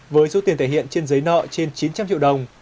với số tiền thể hiện trên giấy nợ trên chín trăm linh triệu đồng